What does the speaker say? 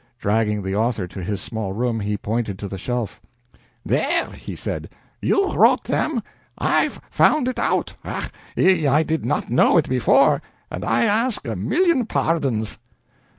Dragging the author to his small room, he pointed to the shelf: "There," he said, "you wrote them! I've found it out. Ach! I did not know it before, and I ask a million pardons."